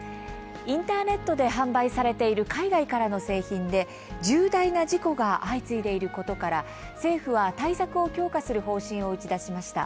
インターネットで販売されている海外からの製品で、重大な事故が相次いでいることから政府は、対策を強化する方針を打ち出しました。